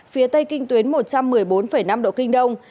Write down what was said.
phía tây kinh tuyến một trăm một mươi bốn năm độ kinh đông